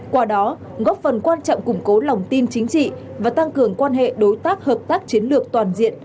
qua đó góp phần quan trọng củng cố lòng tin chính trị và tăng cường quan hệ đối tác hợp tác chiến lược toàn diện